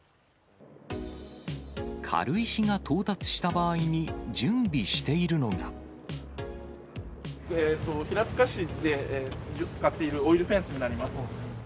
軽石が到達した場合に準備し平塚市で使っているオイルフェンスになります。